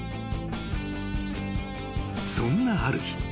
［そんなある日。